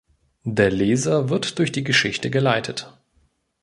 Der Leser wird durch die Geschichte geleitet.